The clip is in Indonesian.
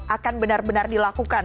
akan benar benar dilakukan